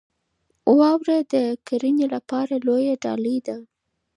واوره د کرنې لپاره لویه ډالۍ ده.